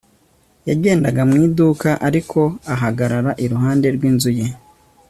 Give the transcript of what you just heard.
yagendaga mu iduka, ariko ahagarara iruhande rw'inzu ye